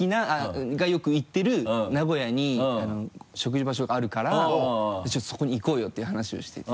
よく行ってる名古屋に食事場所があるからちょっとそこに行こうよっていう話をしてて。